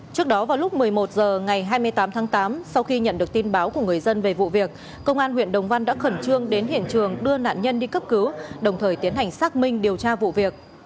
trước đó vào lúc một mươi một h ngày hai mươi tám tháng tám sau khi nhận được tin báo của người dân về vụ việc công an huyện đồng văn đã khẩn trương đến hiện trường đưa nạn nhân đi cấp cứu đồng thời tiến hành xác minh điều tra vụ việc